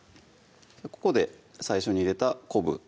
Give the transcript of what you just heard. ここで最初に入れた昆布